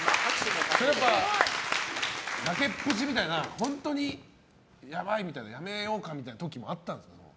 やっぱり崖っぷちみたいな本当にやばいみたいなやめようかみたいな時もあったんですか？